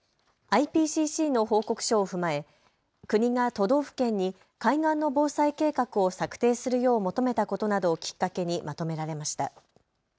ＩＰＣＣの報告書を踏まえ国が都道府県に海岸の防災計画を策定するよう求めたことなどをきっかけにまとめられました。